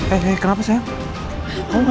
adi ya atasnya